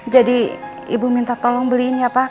jadi ibu minta tolong beliin ya pak